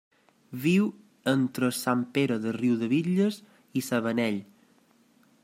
Viu entre Sant Pere de Riudebitlles i Sabanell.